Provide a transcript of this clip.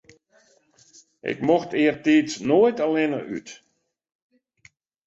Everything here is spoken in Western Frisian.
Ik mocht eartiids noait allinne út.